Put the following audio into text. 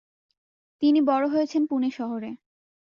তিনি বড়ো হয়েছেন পুণে শহরে।